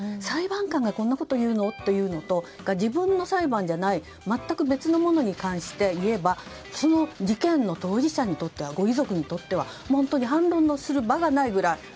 裁判官がこんなこと言うの？っていうのと自分の裁判じゃない全く別のものに関していえば事件の当事者にとってご遺族にとっては本当に反論する場がないくらい。